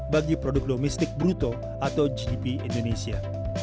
bagi produk domestik bruto atau gdp indonesia